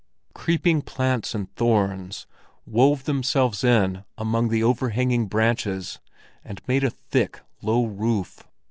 Creeping plants and thorns wove themselves in among the overhanging branches, and made a thick, low roof.